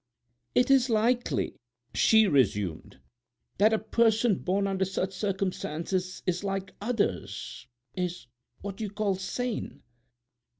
"Is it likely," she resumed, "that a person born under such circumstances is like others—is what you call sane?"